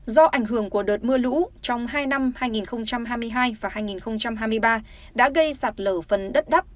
do ảnh hưởng của đợt mưa lũ trong hai năm hai nghìn hai mươi hai và hai nghìn hai mươi ba đã gây sạt lở phần đất đắp